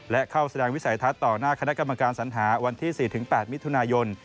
และเข้าแสดงวิสัยทัศน์ต่อหน้าคณะกรรมการสัญหาวันที่๔๘มิถุนายน